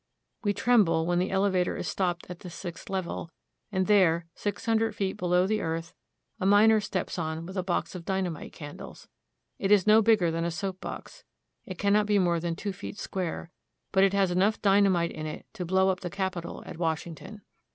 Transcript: We tremble when the elevator is stopped at the sixth level, and there, six hun dred feet below the earth, a miner steps on with a box of dynamite candles. It is no bigger than a soap box. It cannot be more than two feet square, but it has enough dynamite in it to blow up the Capitol at Wash ington.